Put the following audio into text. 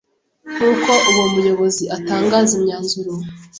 Nkuko uwo muyobozi atangaza imyanzuro